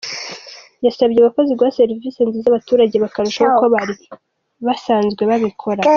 Yasabye abakozi guha serivisi nziza abaturage bakarusha uko bari basanzwe babikora.